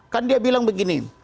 kan dia bilang begini